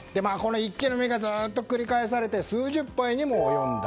一気飲みがずっと繰り返されて数十杯にも及んだ。